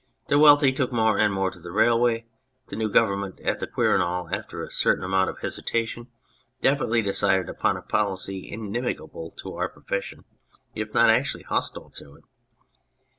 The wealthy took more and more to the railway ; the new government at the Quirinal, after a certain amount of hesitation, definitely decided upon a policy inimical to our profession, if not actually hostile to it.